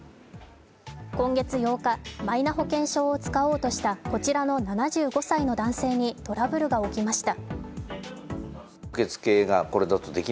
今月８日、マイナ保険証を使おうとしたこちらの７５歳の男性に、トラブルが起きました。